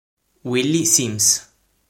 Willie Sims